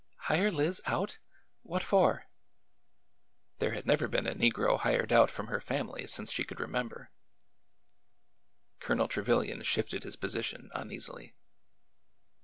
"Hire Liz out? What for?'' There had never been a negro hired out from her family since she could remember. Colonel Trevilian shifted his position uneasily.